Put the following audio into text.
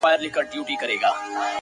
• نه په خوله فریاد له سرولمبو لري,